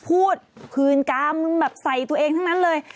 พูดคืนกรรมแบบใส่ตัวเองทั้งนั้นเลย